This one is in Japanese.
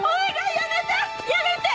やめて！